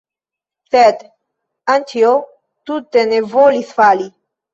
Sed Anĉjo tute ne volis fali.